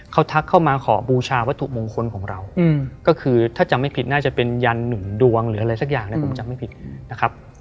เขาทักเข้ามาขอบูชาวัตถุมงคลของเราก็คือถ้าจำไม่ผิดน่าจะเป็นยันหนึ่งดวงหรืออะไรสักอย่างเนี่ยผมจำไม่ผิดนะครับ